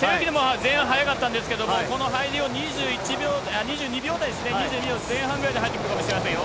前半速かったんですけど、この入りを２２秒台ですね、２２秒前半ぐらいで入ってくるかもしれませんよ。